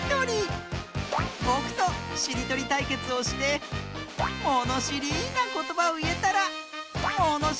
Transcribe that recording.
ぼくとしりとりたいけつをしてものしりなことばをいえたらものしりマスターににんてい！